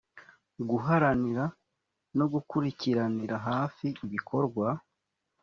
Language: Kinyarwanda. guharanira no gukurikiranira hafi ibikorwa